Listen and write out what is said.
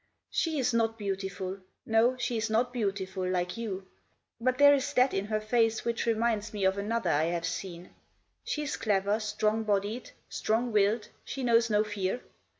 " She is not beautiful. No, she is not beautiful, like you. But there is that in her face which reminds me of another I have seen. She is clever, strong bodied, strong willed, she knows no fear.